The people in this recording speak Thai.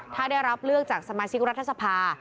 ถ้าได้รับเลือกจากสมาชิกรัฐสภา